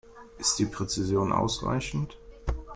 Ist die Präzision ausreichend?